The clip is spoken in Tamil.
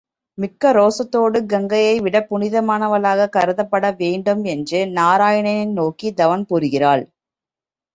மிக்க ரோசத்தோடு கங்கையைவிடப் புனிதமானவளாகக் கருதப்பட வேண்டும் என்று நாராயணனை நோக்கித் தவம் புரிகிறாள்.